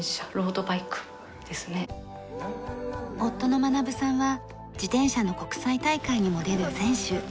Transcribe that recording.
夫の学さんは自転車の国際大会にも出る選手。